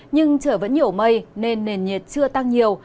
nhưng trời vẫn nhiều mây nên nền nhiệt chưa tăng nhiều